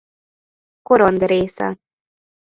Korond része.